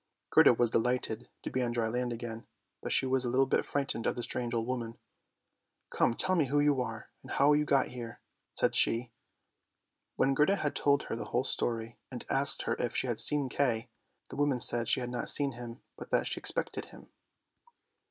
Gerda was delighted to be on dry land again, but she was a little bit frightened of the strange old woman. " Come, tell me who you are, and how you got here," said she. When Gerda had told her the whole story, and asked her if she had seen Kay, the woman said she had not seen him, but that she expected him.